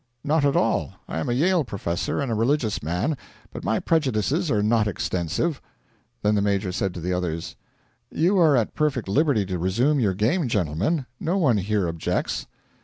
'Not at all. I am a Yale professor and a religious man, but my prejudices are not extensive.' Then the Major said to the others: 'You are at perfect liberty to resume your game, gentlemen; no one here objects.'